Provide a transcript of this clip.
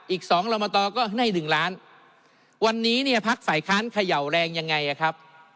อีก๒รมชก็ให้๑ล้านวันนี้เนี่ยพักสายค้านเขย่าแรงยังไงครับ